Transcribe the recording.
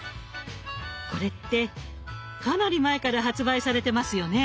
これってかなり前から発売されてますよね？